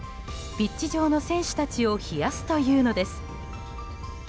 ピッチ上の選手たちを冷やすというのです。